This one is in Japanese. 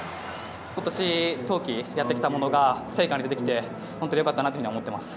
ことし冬季やってきたものが成果に出てきて、本当によかったなというふうに思っています。